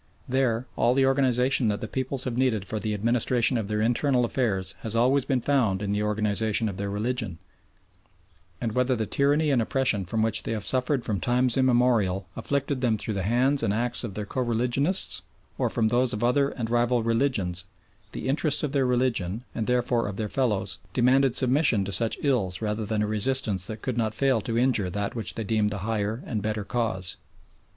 There all the organisation that the peoples have needed for the administration of their internal affairs has always been found in the organisation of their religion, and whether the tyranny and oppression from which they have suffered from times immemorial afflicted them through the hands and acts of their co religionists or from those of other and rival religions, the interests of their religion, and therefore of their fellows, demanded submission to such ills rather than a resistance that could not fail to injure that which they deemed the higher and better cause.